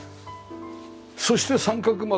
そして三角窓